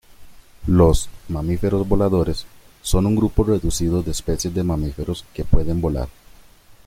Los "mamíferos voladores" son un grupo reducido de especies de mamíferos que pueden volar.